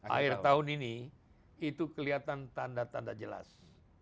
dua ribu dua puluh dua akhir tahun ini itu kelihatan tanda tanda jelas